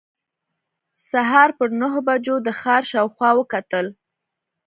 سهار پر نهو بجو د ښار شاوخوا وکتل.